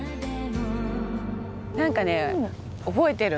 何かね覚えてるの。